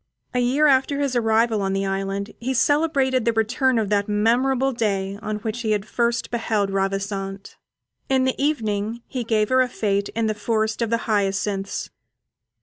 A year after his arrival on the island he celebrated the return of that memorable day on which he had first beheld Ravissante. In the evening he gave her a fête in the forest of hyacinths.